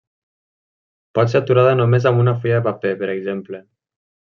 Pot ser aturada només amb una fulla de paper, per exemple.